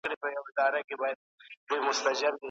سردرد د ورځني عادتونو سره تړلی دی.